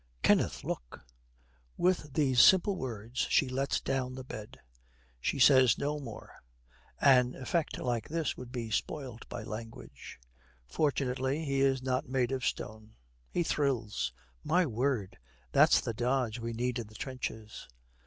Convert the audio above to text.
'Kenneth, look!' With these simple words she lets down the bed. She says no more; an effect like this would be spoilt by language. Fortunately he is not made of stone. He thrills. 'My word! That's the dodge we need in the trenches.'